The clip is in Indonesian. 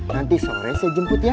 nanti sore saya jemput ya